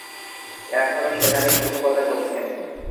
এখনও সেখানেই শিক্ষকতা করছেন।